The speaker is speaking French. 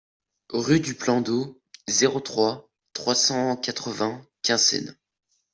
Rue du Plan d'Eau, zéro trois, trois cent quatre-vingts Quinssaines